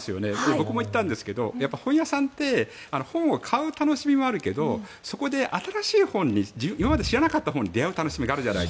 僕も行ったんですけど本屋さんって本を買う楽しみもあるけどそこで新しい本に今まで知らなかった本に出会う楽しみもある。